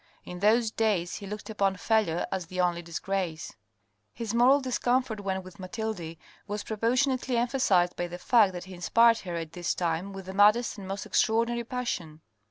In those days he looked upon failure as the only disgrace. His moral discomfort when with Mathilde was proportion ately emphasized by the fact that he inspired her at this time with the maddest and most extraordinary passion.